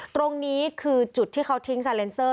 ตรงนี้คือจุดที่เขาทิ้งซาเลนเซอร์